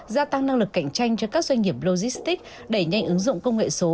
gia tăng năng lực cạnh tranh cho các doanh nghiệp logistics đẩy nhanh ứng dụng công nghệ số